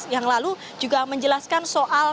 yang lalu juga menjelaskan soal